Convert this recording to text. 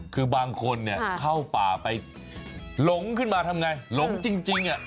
คือบางคนเนี่ยเข้าป่าไปหลงขึ้นมาทำไงหลงจริง